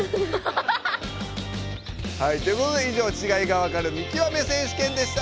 はいということで以上ちがいがわかる「見極め選手権」でした！